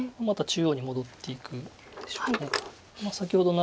また中央に戻っていくでしょう。